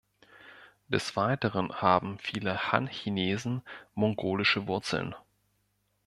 Des Weiteren haben viele Han-Chinesen mongolische Wurzeln.